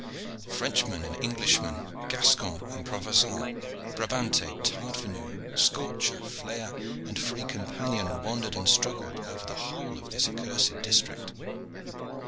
Frenchmen and Englishmen, Gascon and Provencal, Brabanter, Tardvenu, Scorcher, Flayer, and Free Companion, wandered and struggled over the whole of this accursed district.